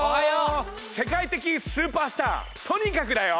せかいてきスーパースターとにかくだよ！